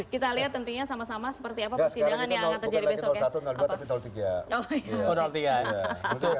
kita lihat tentunya sama sama seperti apa persidangan yang akan terjadi besok ya